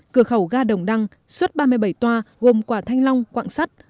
cửa khẩu ga đồng đăng xuất ba mươi bảy toa gồm quả thanh long quạng sắt